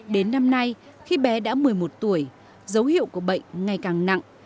đến năm nay khi bé đã một mươi một tuổi dấu hiệu của bệnh ngày càng nặng